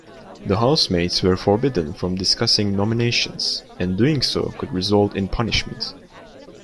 The housemates were forbidden from discussing nominations, and doing so could result in punishment.